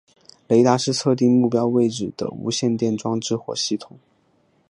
雷达是测定目标位置的无线电装置或系统。